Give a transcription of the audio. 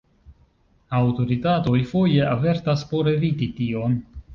Aŭtoritatoj foje avertas por eviti tion.